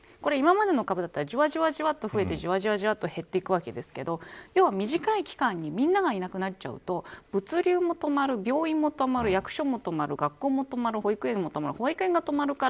今までの株だったらじわじわと増えてじわじわと減っていくわけですけど短い期間にみんながいなくなっちゃうと物流も止まる病院も止まる、役所も止まる学校も止まる、保育園も止まる。